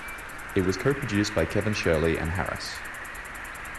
It was co-produced by Kevin Shirley and Harris.